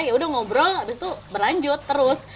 ya udah ngobrol abis itu berlanjut terus